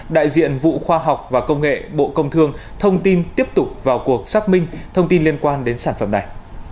đại diện vụ khoa học và công nghệ bộ công thương thông tin tiếp tục vào cuộc xác minh thông tin liên quan đến sản phẩm này